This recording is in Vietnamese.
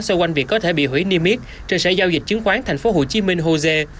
xoay quanh việc có thể bị hủy niêm yết trên xã giao dịch chứng khoán tp hcm hosea